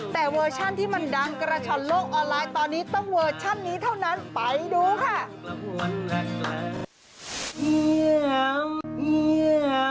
แต่เวอร์ชันที่มันดังกระช่อนโลกออนไลน์ตอนนี้ต้องเวอร์ชันนี้เท่านั้นไปดูค่ะ